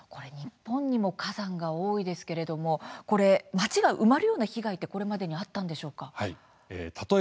日本にも火山が多いですけれども町が埋まるような被害はこれまでにあったんでしょうか。